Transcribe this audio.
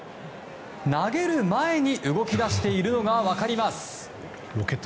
投げる前に動き出しているのが分かります。